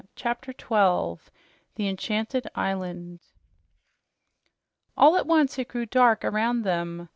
CHAPTER 12 THE ENCHANTED ISLAND All at once it grew dark around them.